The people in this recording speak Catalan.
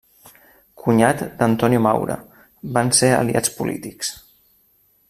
Cunyat d'Antonio Maura, van ser aliats polítics.